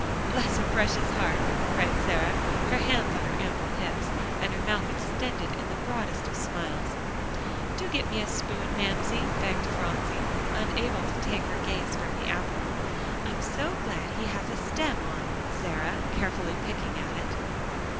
"Bless her precious heart!" cried Sarah, her hands on her ample hips, and her mouth extended in the broadest of smiles. "Do get me a spoon, Mamsie," begged Phronsie, unable to take her gaze from the apple. "I'm so glad he has a stem on, Sarah," carefully picking at it.